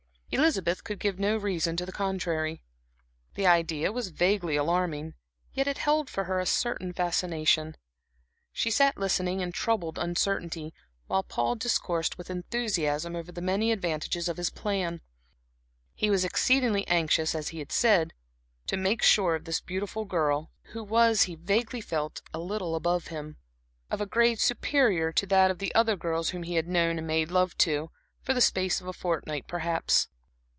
Elizabeth could give no good reason to the contrary. The idea was vaguely alarming, yet it held for her a certain fascination. She sat listening in troubled uncertainty, while Paul discoursed with enthusiasm over the many advantages of his plan. He was exceedingly anxious, as he had said, to make sure of this beautiful girl, who was, he vaguely felt, a little above him of a grade superior to that of the other girls whom he had known and made love to, for the space of a fortnight perhaps.